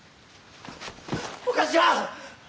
お頭！